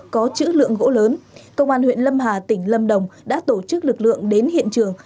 có chữ lượng gỗ lớn công an huyện lâm hà tỉnh lâm đồng đã tổ chức lực lượng đến hiện trường